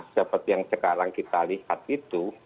seperti yang sekarang kita lihat itu